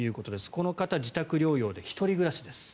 この方、自宅療養で１人暮らしです。